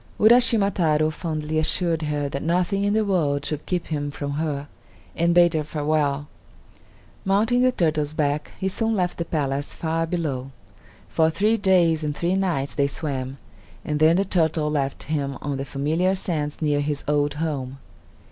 Uraschima Taro fondly assured her that nothing in the world should keep him from her, and bade her farewell. Mounting the turtle's back, he soon left the palace far below. For three days and three nights they swam, and then the turtle left him on the familiar sands near his old home.